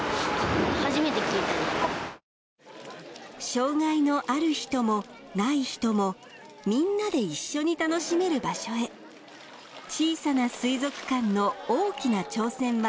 障害のある人もない人もみんなで一緒に楽しめる場所へ小さな水族館の大きな挑戦は